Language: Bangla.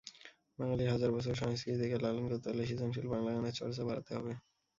বাঙালির হাজার বছরের সংস্কৃতিকে লালন করতে হলে সৃজনশীল বাংলা গানের চর্চা বাড়াতে হবে।